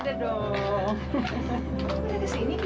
aku yang suruh mereka kesini